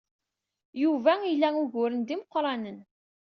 Yuba ila uguren d imeqranen.